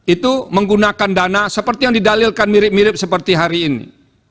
itu menggunakan dana seperti yang didalilkan mirip mirip seperti hari ini